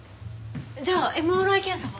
じゃあＭＲＩ検査は？